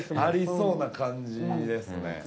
ありそうな感じですね。